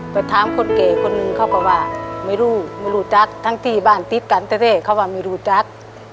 ไปถามคนแก่คนหนึ่งเขาก็ว่าไม่รู้ไม่รู้จักทั้งที่บ้านติดกันแต่เต้เขาว่าไม่รู้จัก